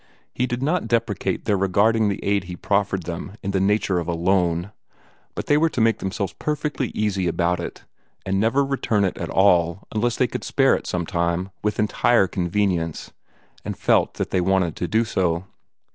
He did not deprecate their regarding the aid he proffered them in the nature of a loan, but they were to make themselves perfectly easy about it, and never return it at all unless they could spare it sometime with entire convenience, and felt that they wanted to do so.